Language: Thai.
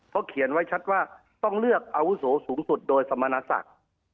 เขาเขียนไว้ชัดว่าต้องเลือกอาวุโสสูงสุดโดยสมณศักดิ์